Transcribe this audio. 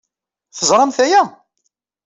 Teẓramt aya?